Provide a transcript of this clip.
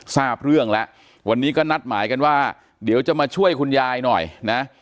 ทราบเรื่องแล้ววันนี้ก็นัดหมายกันว่าเดี๋ยวจะมาช่วยคุณยายหน่อยนะ